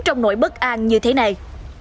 trong nỗi bất an như thế này